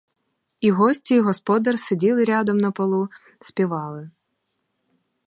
І гості, і господар сиділи рядом на полу, співали.